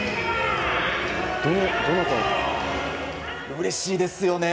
うれしいですよね。